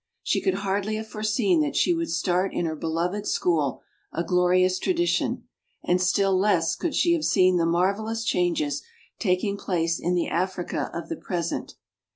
She could hardly have foreseen that she would start in her beloved school a glorious tradition; and still less could she have seen the marvellous changes taking place in the Africa of the present.